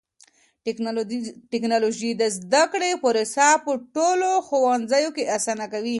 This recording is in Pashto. ټکنالوژي د زده کړې پروسه په ټولو ښوونځيو کې آسانه کوي.